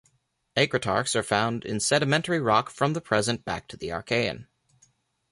Acritarchs are found in sedimentary rocks from the present back into the Archean.